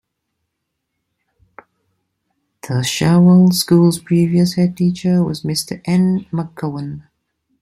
The Cherwell School's previous headteacher was Mr N McGowan.